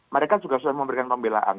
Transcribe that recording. mereka juga sudah memberikan pembelaan